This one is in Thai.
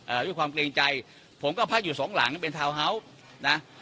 ด้วยความเกรงใจผมก็พักอยู่สองหลังเป็นทาวน์เฮาส์นะ